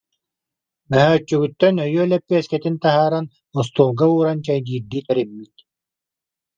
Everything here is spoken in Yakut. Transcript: Мөһөөччүгүттэн өйүө лэппиэскэтин таһааран остуолга ууран чэйдиирдии тэриммит